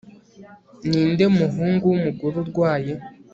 Ninde muhungu wumugore urwaye